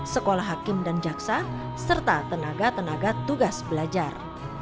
sekolah hakim dan jaksa serta tenaga tenaga tugas belajar